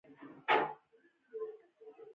خو هيڅکله داسي نه ده